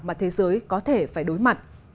mà thế giới có thể phải đối mặt